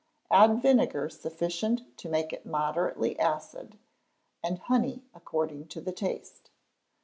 Add vinegar sufficient to make it moderately acid, and honey according to the taste.